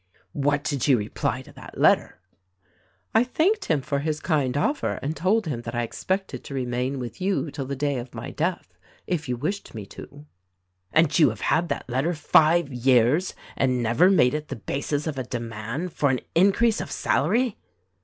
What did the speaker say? "What did you reply to that letter?" "I thanked him for his kind offer and told him that I expected to remain with you till the day of my death, if you wished me to." "And you have had that letter five years and never made it the basis of a demand for an increase of salary?"